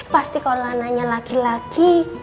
pasti kalau anaknya laki laki